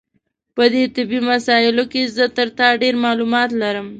په دې طبي مسایلو کې زه تر تا ډېر معلومات لرم.